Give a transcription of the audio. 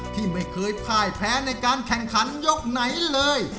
ที่ไม่เคยพ่ายแพ้ในการแข่งขันยกไหนเลย